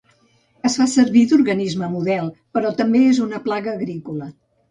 Es fa servir d'organisme model, però també és una plaga agrícola.